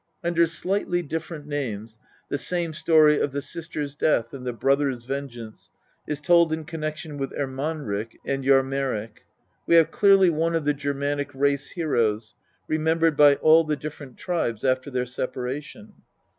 Under slightly different names, the same story of the sister's death and the brother's vengeance is told in connection with Ermanric and Jarmerik. We have clearly one of the Germanic race heroes, remembered by all the different tribes after their separation.